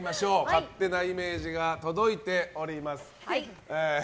勝手なイメージが届いております。